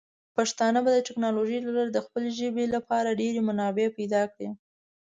پښتانه به د ټیکنالوجۍ له لارې د خپلې ژبې لپاره ډیر منابع پیدا کړي.